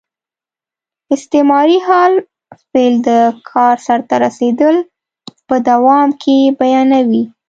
استمراري حال فعل د کار سرته رسېدل په دوام کې بیانیوي.